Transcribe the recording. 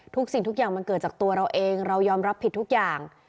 สิ่งทุกอย่างมันเกิดจากตัวเราเองเรายอมรับผิดทุกอย่าง